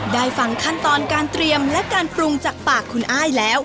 ได้ฟังขั้นตอนการเตรียมและการปรุงจากปากคุณอ้ายแล้ว